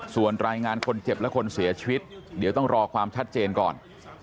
ส่วนรายงานคนเจ็บและคนเสียชีวิตเดี๋ยวต้องรอความชัดเจนก่อน